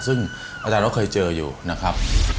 ซึ่งอาจารย์ก็เคยเจออยู่นะครับ